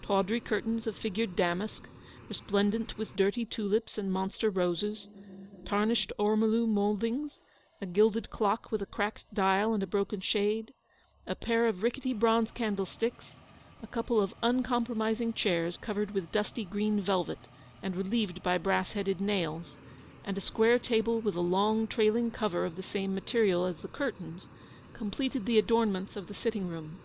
Tawdry curtains of figured damask, re splendent with dirty tulips and monster roses, tarnished ormolu mouldings, a gilded clock with a cracked dial and a broken shade, a pair of rickety bronze candlesticks, a couple of uncom promising chairs covered with dusty green velvet and relieved by brass headed nails, and a square table with a long trailing cover of the same mate rial as the curtains, completed the adornments 22 of the sitting room.